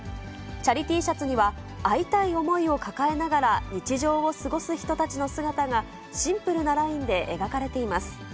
チャリＴシャツには、会いたい想いを抱えながら、日常を過ごす人たちの姿が、シンプルなラインで描かれています。